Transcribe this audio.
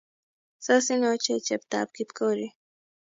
Sasin ochei cheptab Kipkori